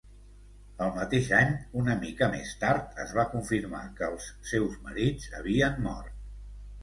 El mateix any, una mica més tard, es va confirmar que els seus marits havien mort.